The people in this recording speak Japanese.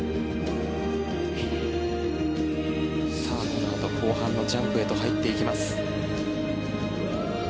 このあと後半のジャンプへと入っていきます。